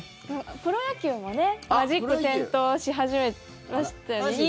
プロ野球もマジック点灯し始めましたよね。